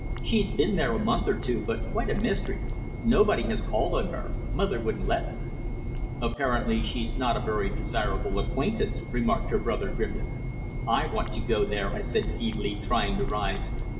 "She's been there a month or two, but quite a mystery. Nobody has called on her. Mother wouldn't let me." "Apparently she's not a very desirable acquaintance," remarked her brother grimly. "I want to go there," I said feebly, trying to rise.